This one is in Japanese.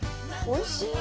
おいしい。